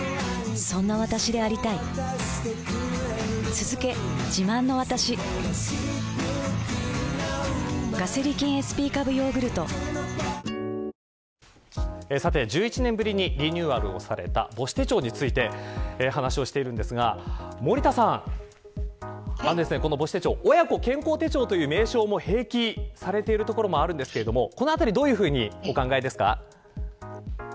日本では今回のリニューアルで１１年ぶりにリニューアルをされた母子手帳について話をしているんですが森田さん母子手帳、親子健康手帳という名称も併記されているところもあるんですけれどもこのあたりどういうふうにお考えですか。